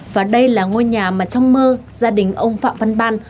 và đây là ngôi nhà mà trong mơ gia đình ông phạm văn ban